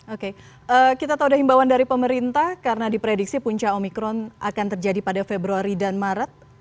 oke kita tahu ada himbawan dari pemerintah karena diprediksi puncak omikron akan terjadi pada februari dan maret